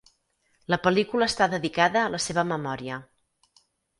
La pel·lícula està dedicada a la seva memòria.